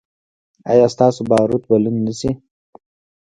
ایا ستاسو باروت به لوند نه شي؟